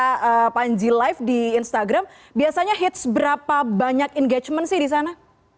ketika panji live di instagram biasanya hits berapa banyak engagement sih di sana